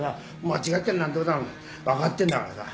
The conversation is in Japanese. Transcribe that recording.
間違ってるなんてことは分かってんだからさ。